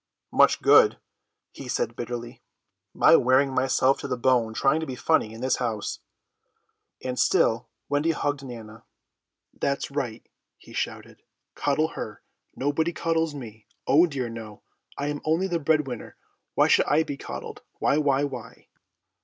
"Much good," he said bitterly, "my wearing myself to the bone trying to be funny in this house." And still Wendy hugged Nana. "That's right," he shouted. "Coddle her! Nobody coddles me. Oh dear no! I am only the breadwinner, why should I be coddled—why, why, why!"